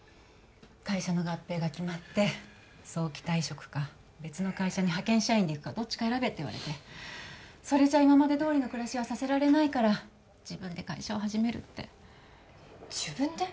会社の合併が決まって早期退職か別の会社に派遣社員で行くかどっちか選べって言われてそれじゃ今までどおりの暮らしはさせられないから自分で会社を始めるって自分で？